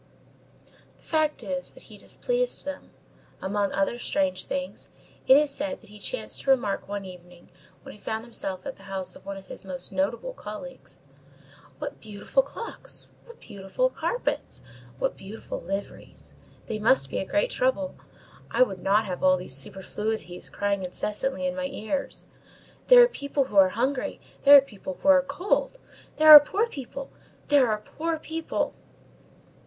_ The fact is that he displeased them. Among other strange things, it is said that he chanced to remark one evening, when he found himself at the house of one of his most notable colleagues: "What beautiful clocks! What beautiful carpets! What beautiful liveries! They must be a great trouble. I would not have all those superfluities, crying incessantly in my ears: 'There are people who are hungry! There are people who are cold! There are poor people! There are poor people!